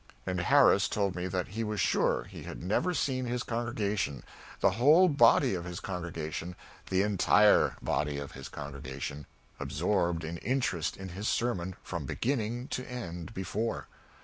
And Harris told me that he was sure he never had seen his congregation the whole body of his congregation the entire body of his congregation absorbed in interest in his sermon, from beginning to end, before.